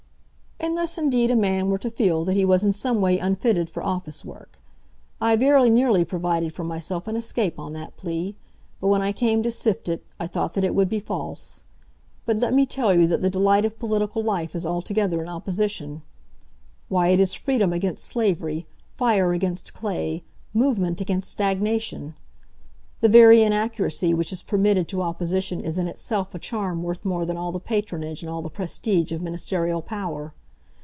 "Unless indeed a man were to feel that he was in some way unfitted for office work. I very nearly provided for myself an escape on that plea; but when I came to sift it, I thought that it would be false. But let me tell you that the delight of political life is altogether in opposition. Why, it is freedom against slavery, fire against clay, movement against stagnation! The very inaccuracy which is permitted to opposition is in itself a charm worth more than all the patronage and all the prestige of ministerial power.